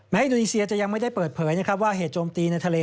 แม้อินุนีเซียจะยังไม่ได้เปิดเผยว่าเหตุโจมตีในทะเล